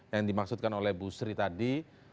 yang dimaksudkan oleh bu sri tadi